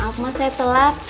maaf mas saya telat